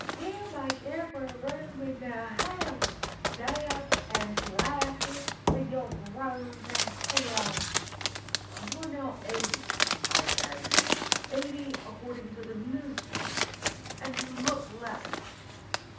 You make every room in the house damp and draughty with your groans and tears." "You are now eighty," I said, "eighty, according to the New Scheme, and you look less.